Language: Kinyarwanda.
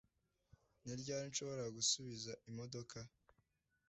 ni ryari nshobora gusubiza imodoka